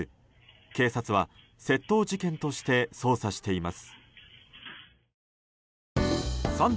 警察は窃盗事件として捜査しています。